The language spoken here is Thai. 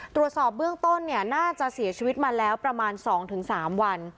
ตรวจสอบเบื้องต้นน่าจะเสียชีวิตมาแล้วประมาณ๒๓วัน